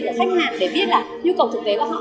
là khách hàng để biết là nhu cầu thực tế của họ